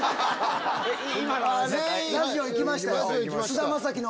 全員ラジオ行きましたよ。